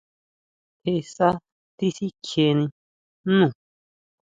Jé sjá tisikjien jnu.